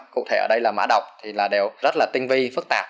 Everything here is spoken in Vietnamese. cụ thể ở đây là má độc thì đều rất là tinh vi phức tạp